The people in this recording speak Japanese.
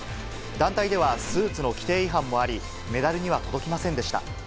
団体では、スーツの規定違反もあり、メダルには届きませんでした。